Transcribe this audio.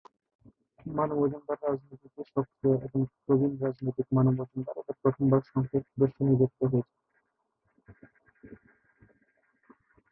মানু মজুমদার রাজনীতিতে সক্রিয় এবং প্রবীণ রাজনৈতিক মানু মজুমদার এবার প্রথম বার সংসদ সদস্য নির্বাচিত হয়েছেন।